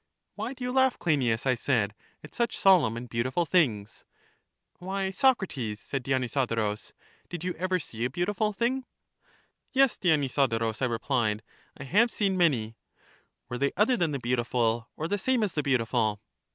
Why do you laugh, Cleinias, I said, at such solemn and beautiful things ? Why, Socrates, said Dionysodorus, did you ever see a beautiful thing? Yes, Dionysodorus, I replied, I have seen many. Were they other than the beautiful, or the same as the beautiful?